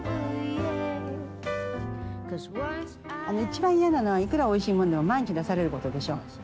一番嫌なのはいくらおいしいものでも毎日出されることでしょう。